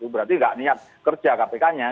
berarti nggak niat kerja kpk nya